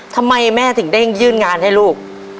ทำไมแม่ถึงได้ยื่นงานให้ลูก